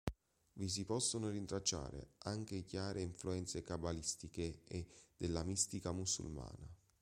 Vi si possono rintracciare anche chiare influenze cabalistiche e della mistica musulmana.